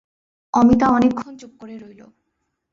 অমিতা অনেকক্ষণ চুপ করে রইল।